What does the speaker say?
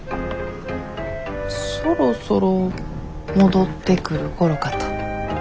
そろそろ戻ってくる頃かと。